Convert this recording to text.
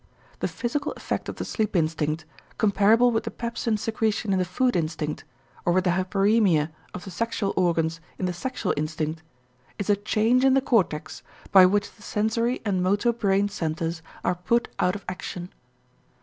The physical effect of the sleep instinct, comparable with the pepsin secretion in the food instinct, or with the hyperæmia of the sexual organs in the sexual instinct, is a change in the cortex by which the sensory and motor brain centers are put out of action.